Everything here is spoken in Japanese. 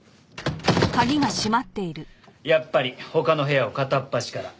やっぱり他の部屋を片っ端から。